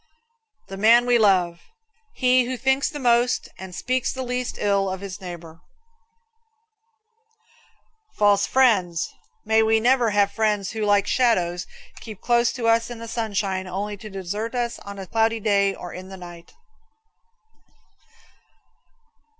The Man We Love. He who thinks the most and speaks the least ill of his neighbor. False Friends. May we never have friends who, like shadows, keep close to us in the sunshine only to desert us on a cloudy day or in the night.